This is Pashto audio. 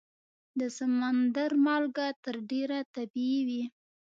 د سمندر مالګه تر ډېره طبیعي وي.